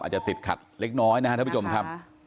อาจจะติดขัดเล็กน้อยเพราะว่ามีประจงค่ะ